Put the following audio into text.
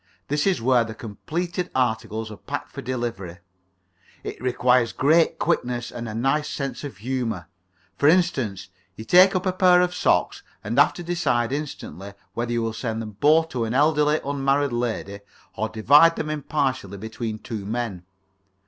This is where the completed articles are packed for delivery. It requires great quickness and a nice sense of humour. For instance, you take up a pair of socks and have to decide instantly whether you will send them both to an elderly unmarried lady, or divide them impartially between two men.